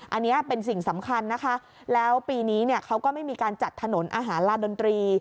อันนี้เป็นสิ่งสำคัญนะคะแล้วปีนี้เขาก็ไม่มีการจัดถนนอาหารลาดนตรี